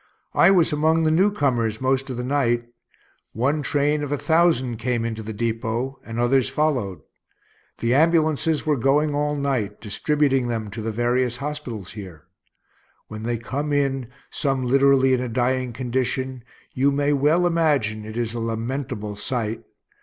I was among the new comers most of the night. One train of a thousand came into the depot, and others followed. The ambulances were going all night, distributing them to the various hospitals here. When they come in, some literally in a dying condition, you may well imagine it is a lamentable sight.